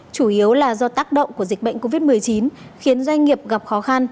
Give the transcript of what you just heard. chủ yếu là do tác động của dịch bệnh covid một mươi chín khiến doanh nghiệp gặp khó khăn